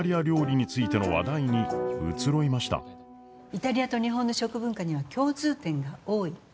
イタリアと日本の食文化には共通点が多い。